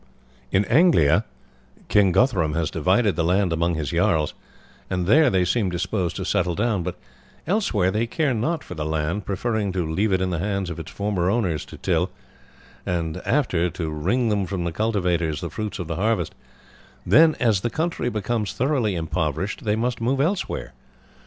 "In Anglia King Guthrum has divided the land among his jarls, and there they seem disposed to settle down; but elsewhere they care not for the land, preferring to leave it in the hands of its former owners to till, and after to wring from the cultivators the fruits of the harvest; then, as the country becomes thoroughly impoverished, they must move elsewhere.